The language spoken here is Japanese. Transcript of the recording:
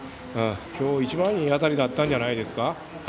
今日一番いい当たりだったんじゃないんですか。